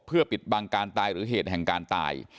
เพื่อปิดบังการตายหรือเหตุแห่งการตาย